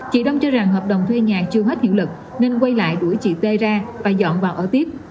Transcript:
chị đông cho rằng hợp đồng thuê nhà chưa hết hiệu lực nên quay lại đuổi chị t ra và dọn vào ở tiếp